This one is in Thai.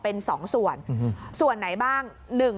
เป็น๒ส่วนส่วนไหนบ้าง